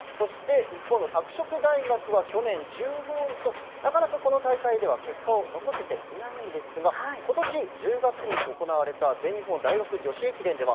一方の拓殖大学は、去年１５位となかなかこの大会では結果を残せていませんが今年１０月に行われた全日本大学女子駅伝では